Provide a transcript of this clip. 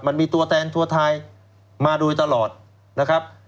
มันมีตัวแทนทัวร์ไทยมาโดยตลอดนะครับ